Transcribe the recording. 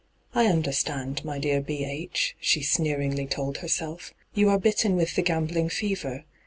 ' I understand, my dear " B. H.," ' she sneeiingly told herself. ' You are bitten with the gambling fever.